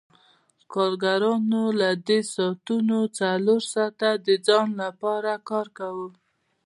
کارګرانو له دې ساعتونو څلور ساعته د ځان لپاره کار کاوه